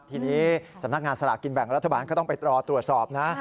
ทีนี้สำนักงานสลากกินแบ่งรัฐบาลก็ต้องไปรอตรวจสอบนะ